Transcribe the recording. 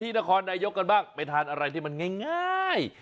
นครนายกกันบ้างไปทานอะไรที่มันง่าย